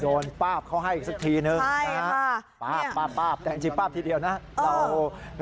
โดนป๊าบเขาให้อีกซักทีนึงนะฮะป๊าบป๊าบป๊าบป๊าบทีเดียวนะฮะ